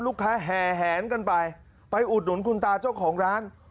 แห่แหนกันไปไปอุดหนุนคุณตาเจ้าของร้าน